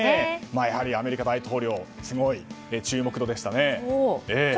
やはりアメリカ大統領すごい注目度でしたね。